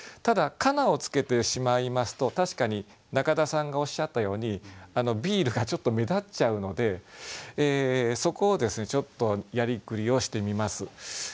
ただ「かな」をつけてしまいますと確かに中田さんがおっしゃったように「ビール」がちょっと目立っちゃうのでそこをですねちょっとやりくりをしてみます。